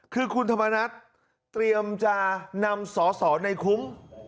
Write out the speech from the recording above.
คือคุณธรรมนัฐเตรียมจะนำสอสอในคุ้ม